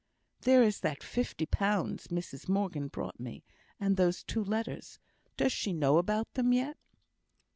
"There is that fifty pounds Mrs Morgan brought me, and those two letters. Does she know about them yet?"